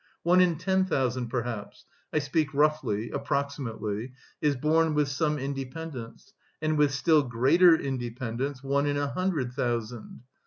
One in ten thousand perhaps I speak roughly, approximately is born with some independence, and with still greater independence one in a hundred thousand.